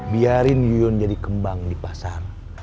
biarin yuyun jadi kembang di pasar